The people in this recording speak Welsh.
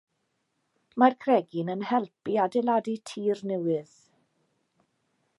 Mae'r cregyn yn help i adeiladu tir newydd.